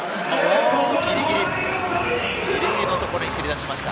ギリギリのところに蹴り出しました。